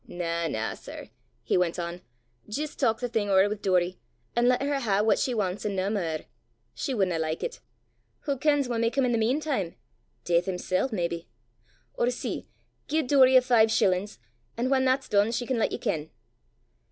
"Na, na, sir," he went on; "jist talk the thing ower wi' Doory, an' lat her hae what she wants an' nae mair. She wudna like it. Wha kens what may cam i' the meantime Deith himsel', maybe! Or see gie Doory a five shillins, an' whan that's dune she can lat ye ken!"